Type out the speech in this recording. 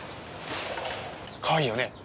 かわいいよね。